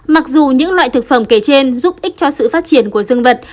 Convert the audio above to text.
mặc dù những loại thực phẩm kể trên giúp ích cho sự phát triển của dương vật